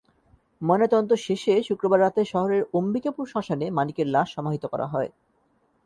ময়নাতদন্ত শেষে শুক্রবার রাতে শহরের অম্বিকাপুর শ্মশানে মানিকের লাশ সমাহিত করা হয়।